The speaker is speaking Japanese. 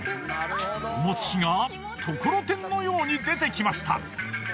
おもちがところてんのように出てきました。